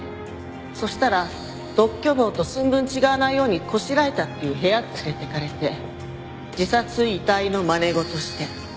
そしたら独居房と寸分違わないようにこしらえたっていう部屋連れてかれて自殺遺体のまね事して。